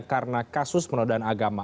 karena kasus penodaan agama